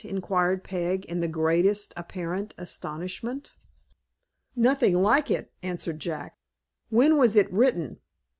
inquired Peg, in the greatest apparent astonishment. "Nothing like it," answered Jack. "When was it written?"